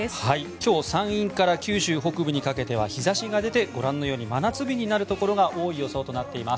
今日山陰から九州北部にかけては日差しが出てご覧のように真夏日になるところが多い予想となっています。